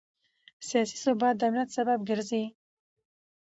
سیاسي ثبات د امنیت سبب ګرځي